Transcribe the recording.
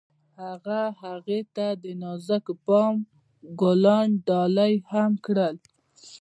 هغه هغې ته د نازک بام ګلان ډالۍ هم کړل.